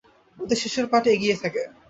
ওতে শেষের পাঠ এগিয়ে থাকে।